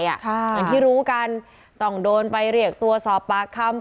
อย่างที่รู้กันต้องโดนไปเรียกตัวสอบปากคำ